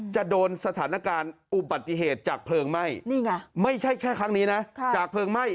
จะโดนสถานการณ์อุบัติเหตุจากเพลิงไหม้นี่ไงไม่ใช่แค่ครั้งนี้นะจากเพลิงไหม้